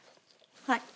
はい。